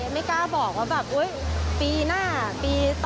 ไม่กล้าบอกว่าแบบปีหน้าปีต่อไป